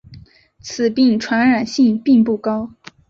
此病传染性并不高。